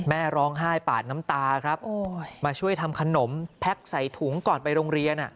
แม่ร้องไห้ปาดน้ำตาครับมาช่วยทำขนมแพ็กใส่ถุงก่อนไปโรงเรียน